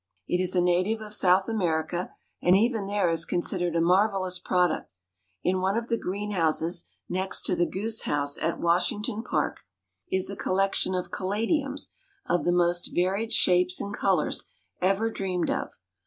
It is a native of South America and even there is considered a marvelous product. In one of the greenhouses next to the goose house at Washington Park is a collection of caladiums of the most varied shapes and colors ever dreamed of.